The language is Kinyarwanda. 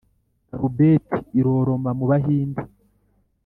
karubeti iroroma mu bahinde,